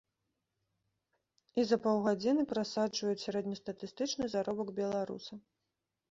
І за паўгадзіны прасаджваюць сярэднестатыстычны заробак беларуса.